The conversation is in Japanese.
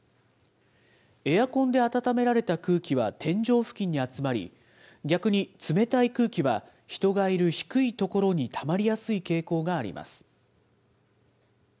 エアコンで暖められた空気は天井付近に集まり、逆に冷たい空気は、人がいる低い所にたまりやすい傾向があります。